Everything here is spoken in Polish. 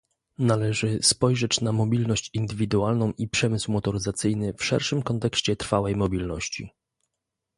Należy spojrzeć na mobilność indywidualną i przemysł motoryzacyjny w szerszym kontekście trwałej mobilności